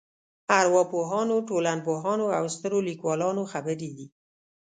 ارواپوهانو ټولنپوهانو او سترو لیکوالانو خبرې دي.